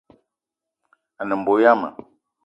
A ne mbo yama